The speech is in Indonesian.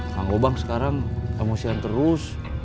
kang obang sekarang emosian terus